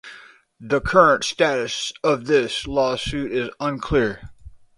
The current status of this lawsuit is unclear.